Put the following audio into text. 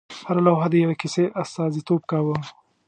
هره لوحه د یوې کیسې استازیتوب کاوه.